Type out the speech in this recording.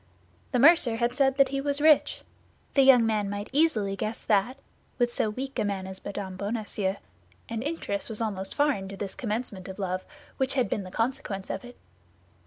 The mercer had said that he was rich; the young man might easily guess that with so weak a man as M. Bonacieux; and interest was almost foreign to this commencement of love, which had been the consequence of it.